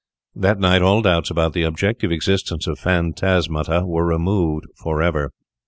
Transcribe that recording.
That night all doubts about the objective existence of phantasmata were removed for ever.